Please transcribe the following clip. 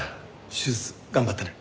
手術頑張ってね。